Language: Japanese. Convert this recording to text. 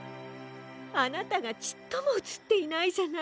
あなたがちっともうつっていないじゃない。